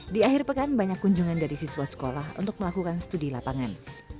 di akhir pekan banyak kunjungan dari siswa sekolah untuk melakukan studi lapangan